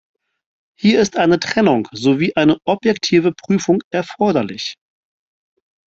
Hier ist eine Trennung sowie eine objektive Prüfung erforderlich.